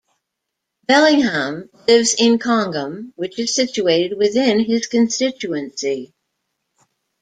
Bellingham lives in Congham, which is situated within his constituency.